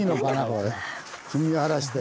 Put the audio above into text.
これ踏み荒らして。